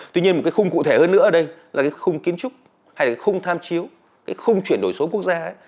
tuy nhiên một cái khung cụ thể hơn nữa ở đây là cái khung kiến trúc hay là cái khung tham chiếu cái khung chuyển đổi số quốc gia ấy